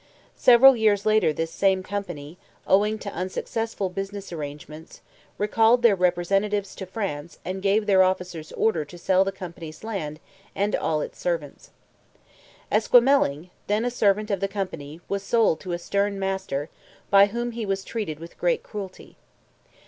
Several years later this same company, owing to unsuccessful business arrangements, recalled their representatives to France and gave their officers orders to sell the company's land and all its servants. Esquemeling then a servant of the company was sold to a stern master by whom he was treated with great cruelty.